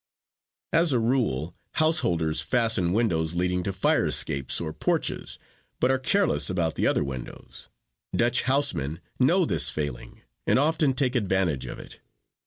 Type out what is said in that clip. "As a rule, householders fasten windows leading to fire escapes or porches, but are careless about the other windows. 'Dutch house men' know this failing and often take advantage of it.